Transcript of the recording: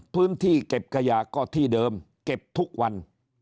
พื้นที่เก็บขยะก็ที่เดิมเก็บทุกวัน